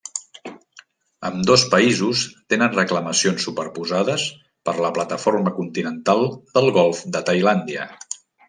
Ambdós països tenen reclamacions superposades per la plataforma continental del golf de Tailàndia.